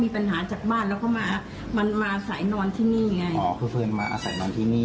อ๋อเพื่อนมาอาศัยนอนที่นี่